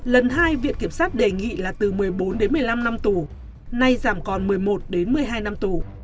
lần hai viện kiểm sát đề nghị là từ một mươi bốn đến một mươi năm năm tù nay giảm còn một mươi một đến một mươi hai năm tù